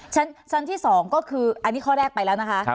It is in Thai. ชั้นที่๒ก็คืออันนี้ข้อแรกไปแล้วนะคะ